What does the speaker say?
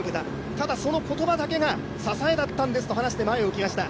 ただ、その言葉だけが支えだったんですと話して前を向きました。